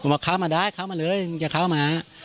ว่าเข้ามาได้เข้ามาเลยอย่าเข้ามา